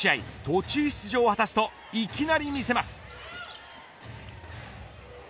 途中出場を果たすといきなり見せます。